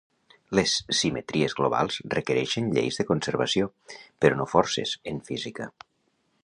Les simetries globals requereixen lleis de conservació, però no forces, en física.